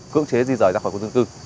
cưỡng chế duy dở ra khỏi khu dân cư